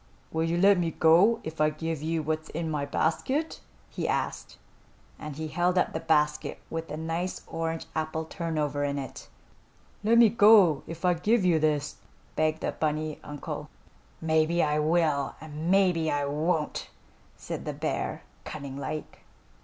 "Will you let me go if I give you what's in my basket?" he asked, and he held up the basket with the nice orange apple turnover in it. "Let me go if I give you this," begged the bunny uncle. "Maybe I will, and maybe I won't," said the bear, cunning like.